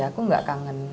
aku gak kangen